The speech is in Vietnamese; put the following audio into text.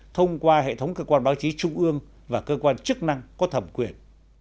thông qua hệ thống cơ quan báo chí trung ương và cơ quan chức năng có thẩm quyền